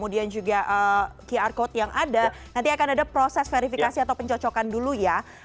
dan juga qr code yang ada nanti akan ada proses verifikasi atau pencocokan dulu ya